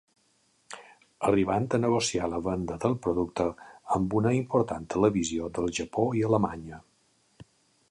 Arribant a negociar la venda del producte amb una important televisió del Japó i Alemanya.